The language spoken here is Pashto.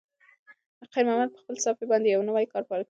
خیر محمد په خپلې صافې باندې یو نوی کار پیل کړ.